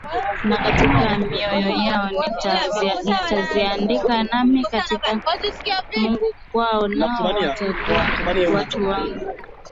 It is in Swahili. Na katika mioyo yao nitaziandika Nami nitakuwa Mungu kwao Nao watakuwa watu wangu